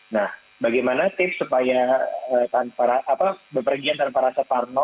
nah bagaimana tips supaya berpergian tanpa rasa parno